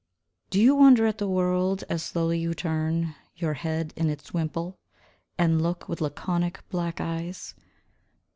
Do you wonder at the world, as slowly you turn your head in its wimple And look with laconic, black eyes?